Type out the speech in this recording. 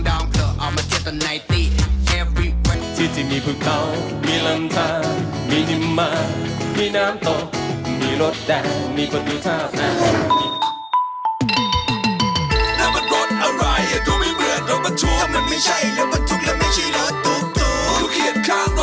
สวัสดีครับ